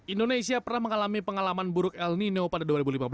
indonesia pernah mengalami pengalaman buruk el nino pada dua ribu lima belas